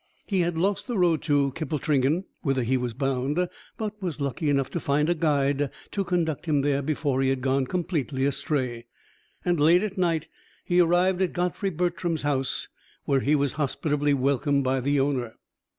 He had lost the road to Kippletringan, whither he was bound, but was lucky enough to find a guide to conduct him there before he had gone completely astray; and late at night he arrived at Godfrey Bertram's house, where he was hospitably welcomed by the owner.